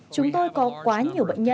chúng tôi có quá nhiều bệnh nhân